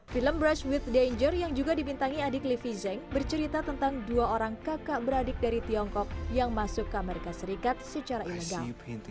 film brush with danger yang juga dibintangi adik livi zeng bercerita tentang dua orang kakak beradik dari tiongkok yang masuk ke amerika serikat secara ilegal